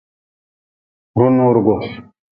Runuurgu.